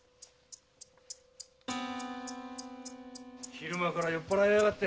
・昼間から酔っぱらいやがって。